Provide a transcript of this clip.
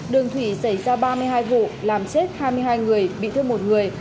đường thủy xảy ra ba mươi hai vụ làm chết hai mươi hai người bị thương một người